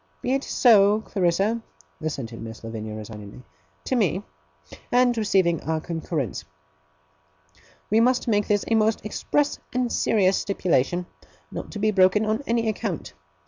'Be it so, Clarissa!' assented Miss Lavinia resignedly 'to me and receiving our concurrence. We must make this a most express and serious stipulation, not to be broken on any account.